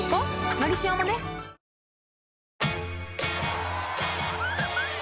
「のりしお」もねわ！